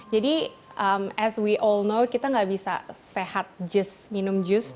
jadi as we all know kita nggak bisa sehat just minum juice